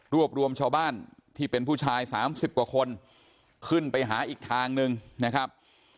รวมชาวบ้านที่เป็นผู้ชาย๓๐กว่าคนขึ้นไปหาอีกทางหนึ่งนะครับ